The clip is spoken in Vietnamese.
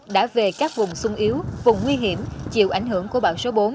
đã về các vùng sung yếu vùng nguy hiểm chịu ảnh hưởng của bão số bốn